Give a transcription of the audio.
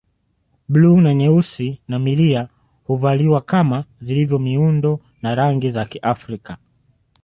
Bluu na nyeusi na milia huvaliwa kama zilivyo miundo na rangi za Kiafrika